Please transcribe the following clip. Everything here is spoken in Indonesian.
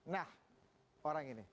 nah orang ini